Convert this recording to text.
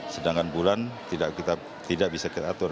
sedangkan bulan tidak bisa kita atur